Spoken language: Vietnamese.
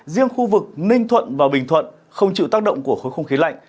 riêng khu vực ninh thuận và bình thuận không chịu tác động của khối không khí lạnh